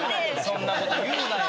そんなこと言うなよ。